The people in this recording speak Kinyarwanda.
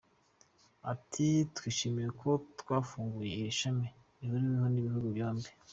Ati “Twishimiye ko twafunguye iri shami rihuriweho n’ibihugu byombi.